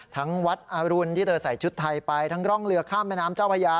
ทั้งวัดอรุณที่เธอใส่ชุดไทยไปทั้งร่องเรือข้ามแม่น้ำเจ้าพญา